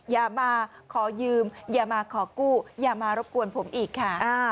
อย่ามาขอยืมอย่ามาขอกู้อย่ามารบกวนผมอีกค่ะ